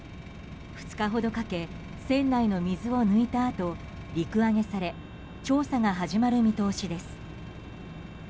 ２日ほどかけ船内の水を抜いたあと陸揚げされ調査が始まる見通しです。